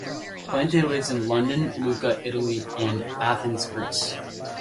Plante lives in London, Lucca Italy, and Athens Greece.